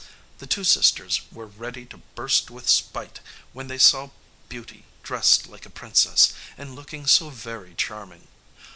The two sisters were ready to burst with spite when they saw Beauty dressed like a princess, and looking so very charming.